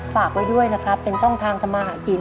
ฝากไว้ด้วยนะครับเป็นช่องทางทำมาหากิน